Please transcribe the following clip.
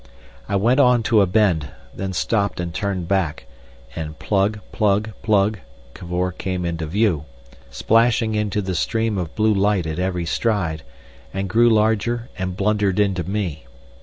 I went on to a bend, then stopped and turned back, and plug, plug, plug, Cavor came into view, splashing into the stream of blue light at every stride, and grew larger and blundered into me.